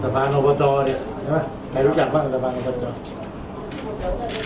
สะพานอบจใครรู้จักบ้าง